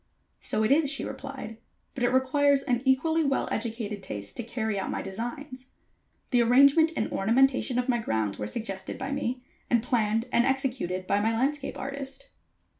"So it is," she replied; "but it requires an equally well educated taste to carry out my designs. The arrangement and ornamentation of my grounds were suggested by me, and planned and executed by my landscape artist."